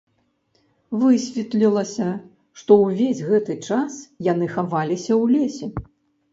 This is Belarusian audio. Высветлілася, што ўвесь гэты час яны хаваліся ў лесе.